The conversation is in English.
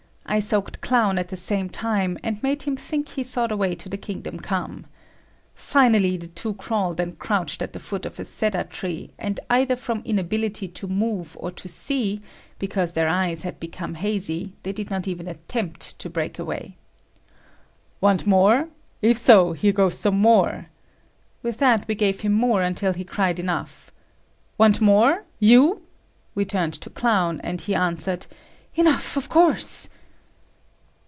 I soaked Clown at the same time, and made him think he saw the way to the Kingdom Come. Finally the two crawled and crouched at the foot of a cedar tree, and either from inability to move or to see, because their eyes had become hazy, they did not even attempt to break away. "Want more? If so, here goes some more!" With that we gave him more until he cried enough. "Want more? You?" we turned to Clown, and he answered "Enough, of course."